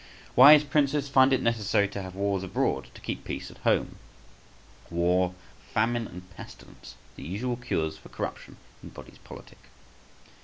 Wise princes find it necessary to have wars abroad to keep peace at home. War, famine, and pestilence, the usual cures for corruption in bodies politic.